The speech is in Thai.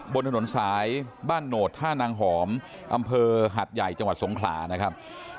บนถนนสายบ้านโหนดท่านางหอมอำเภอหัดใหญ่จังหวัดสงขลานะครับ